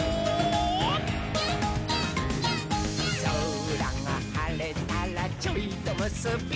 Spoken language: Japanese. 「そらがはれたらちょいとむすび」